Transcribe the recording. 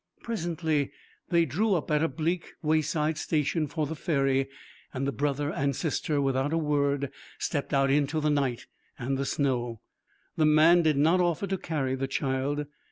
Presently they drew up at a bleak way side station for the ferry, and the brother and sister without a word stepped out in the night and the snow. The man did not offer to carry the child.